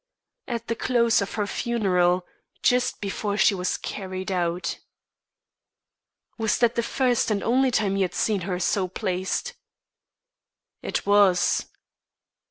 "At the close of her funeral, just before she was carried out." "Was that the first and only time you had seen her so placed?" "It was."